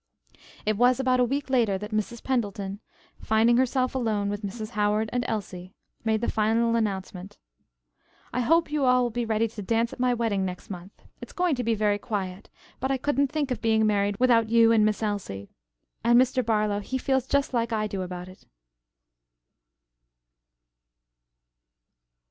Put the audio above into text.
It was about a week later that Mrs. Pendleton, finding herself alone with Mrs. Howard and Elsie, made the final announcement. "I hope you all will be ready to dance at my wedding next month. It's going to be very quiet, but I couldn't think of being married without you and Miss Elsie and Mr. Barlow, he feels just like I do about it."